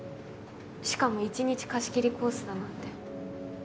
しかも一日貸し切りコースだなんて。